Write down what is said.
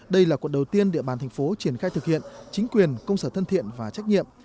đây là quận đầu tiên địa bàn thành phố triển khai thực hiện chính quyền công sở thân thiện và trách nhiệm